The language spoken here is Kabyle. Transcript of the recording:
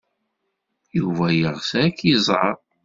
Yuba yeɣs ad k-iẓer.